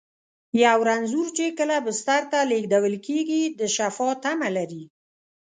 یو رنځور چې کله بستر ته لېږدول کېږي، د شفا تمه لري.